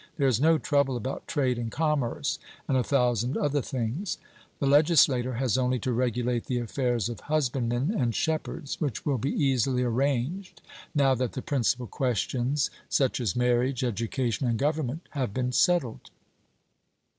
There is no trouble about trade and commerce, and a thousand other things. The legislator has only to regulate the affairs of husbandmen and shepherds, which will be easily arranged, now that the principal questions, such as marriage, education, and government, have been settled.